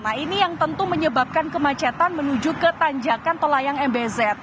nah ini yang tentu menyebabkan kemacetan menuju ke tanjakan tol layang mbz